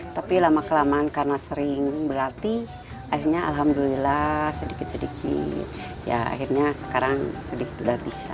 tapi lama kelamaan karena sering berlatih akhirnya alhamdulillah sedikit sedikit ya akhirnya sekarang sedikit sudah bisa